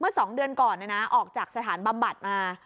เมื่อสองเดือนก่อนนะนะออกจากสถานบำบัดมา